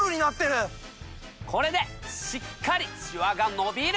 これでしっかりシワがのびる！